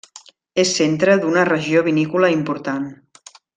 És centre d'una regió vinícola important.